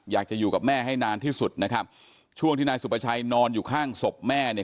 อยากจะอยู่กับแม่ให้นานที่สุดนะครับช่วงที่นายสุประชัยนอนอยู่ข้างศพแม่เนี่ย